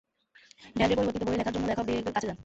Del Rey পরবর্তী বই লেখার জন্য লেখক ডিয়েটজের কাছে যান।